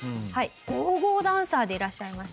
ゴーゴーダンサーでいらっしゃいました。